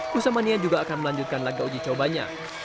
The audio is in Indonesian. kusamania juga akan melanjutkan laga uji cobanya